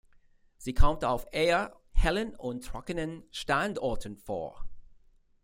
Sie kommt auf eher hellen und trockenen Standorten vor.